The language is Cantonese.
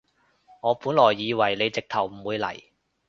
我本來以為你直頭唔會嚟